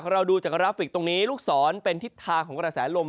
เราดูจากกราฟิกตรงนี้ลูกศรเป็นทิศทางของกระแสลม